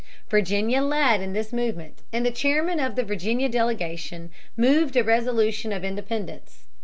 Virginia led in this movement, and the chairman of the Virginia delegation moved a resolution of independence.